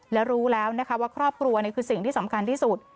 และรู้แล้วนะคะว่าครอบครัวนี่คือสิ่งที่สำคัญที่สุด